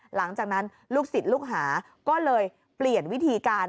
หลังจากนั้นลูกศิษย์ลูกหาก็เลยเปลี่ยนวิธีการ